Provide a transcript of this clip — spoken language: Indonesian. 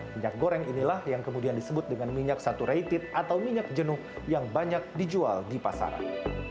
minyak goreng inilah yang kemudian disebut dengan minyak satu rated atau minyak jenuh yang banyak dijual di pasaran